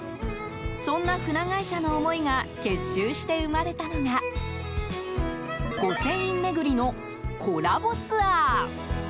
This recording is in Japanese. そんな船会社の思いが結集して生まれたのが御船印巡りのコラボツアー。